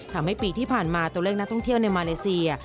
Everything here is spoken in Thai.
ทำให้ปีที่ผ่านมาตัวเลขนักท่องเที่ยวในมาเลเซีย